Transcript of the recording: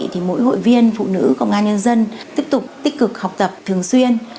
thì mỗi hội viên phụ nữ công an nhân dân tiếp tục tích cực học tập thường xuyên